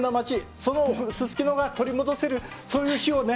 そのすすきのが取り戻せるそういう日をね